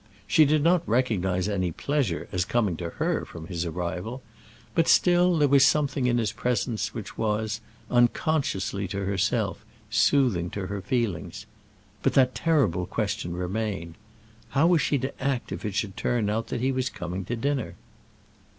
She did not recognize any pleasure as coming to her from his arrival, but still there was something in his presence which was, unconsciously to herself, soothing to her feelings. But that terrible question remained; how was she to act if it should turn out that he was coming to dinner?